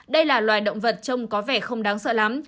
đây là loài động vật trông có vẻ không đáng sợ lắm